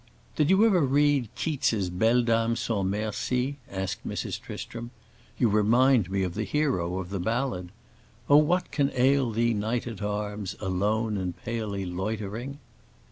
"Did you ever read Keats's Belle Dame sans Merci?" asked Mrs. Tristram. "You remind me of the hero of the ballad:— 'Oh, what can ail thee, knight at arms, Alone and palely loitering?